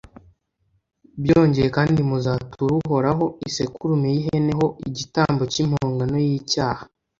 byongeye kandi muzatura uhoraho isekurume y’ihene ho igitambo cy’impongano y’icyaha.